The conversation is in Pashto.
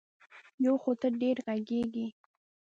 یو خو ته ډېره غږېږې.